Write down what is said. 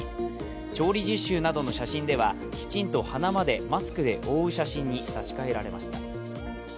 調理実習などの写真ではきちんと鼻までマスクで覆う写真に差し替えられました。